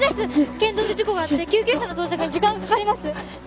県道で事故があって救急車の到着に時間がかかります！